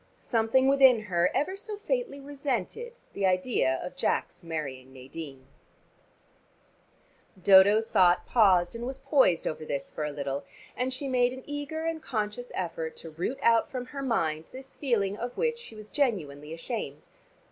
Something within her ever so faintly resented the idea of Jack's marrying Nadine. Dodo's thought paused and was poised over this for a little, and she made an eager and a conscious effort to root out from her mind this feeling of which she was genuinely ashamed.